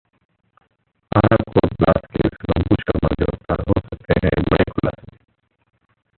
आरा court blast case: Lambu Sharma गिरफ्तार, हो सकते हैं बड़े खुलासे